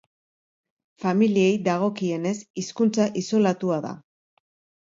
Familiei dagokienez, hizkuntza isolatua da.